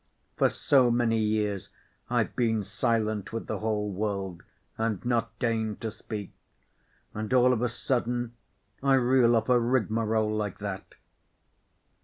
For so many years I've been silent with the whole world and not deigned to speak, and all of a sudden I reel off a rigmarole like that."